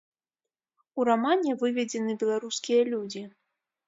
У рамане выведзены беларускія людзі.